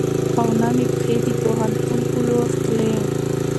او نه مې پښې د پوهنتون په لور تلې .